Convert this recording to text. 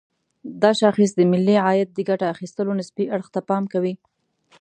دا شاخص د ملي عاید د ګټه اخيستلو نسبي اړخ ته پام کوي.